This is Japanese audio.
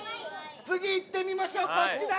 次いってみましょうこっちだ！